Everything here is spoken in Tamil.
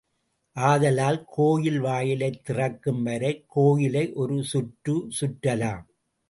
ஆதலால் கோயில் வாயிலைத் திறக்கும் வரை கோயிலை ஒரு சுற்று சுற்றலாம்.